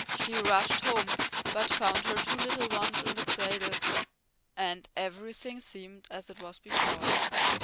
She rushed home, but found her two little ones in the cradle and everything seemed as it was before.